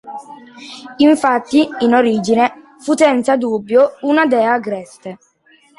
Infatti, in origine, fu senza dubbio una dea agreste.